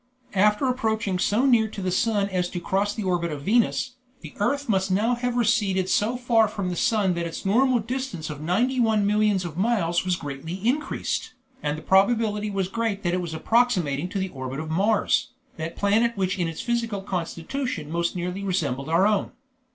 After approaching so near to the sun as to cross the orbit of Venus, the earth must now have receded so far from the sun that its normal distance of ninety one millions of miles was greatly increased, and the probability was great that it was approximating to the orbit of Mars, that planet which in its physical constitution most nearly resembles our own.